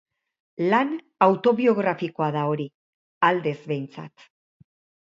Lan autobiografikoa da hori, aldez behintzat.